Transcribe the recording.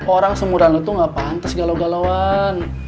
orang semudah lo tuh gak pantas galau galauan